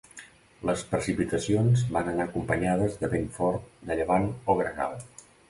Les precipitacions van anar acompanyades de vent fort de llevant o gregal.